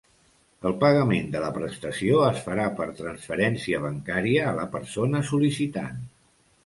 El pagament de la prestació es farà per transferència bancària a la persona sol·licitant.